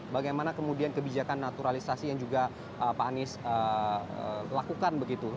bagaimana kemudian kebijakan naturalisasi yang juga pak anies lakukan begitu